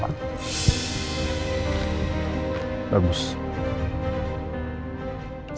yang palest buat dia